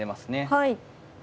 はい。